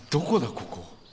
ここ。